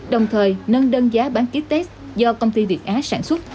đồng thời nâng đơn giá bán ký test do công ty việt á sản xuất